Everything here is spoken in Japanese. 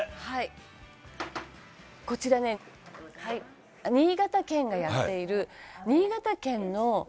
「こちらね新潟県がやっている新潟県の」